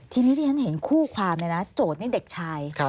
ทีนี้ที่ฉันเห็นคู่ความเลยนะโจทย์นี่เด็กชาย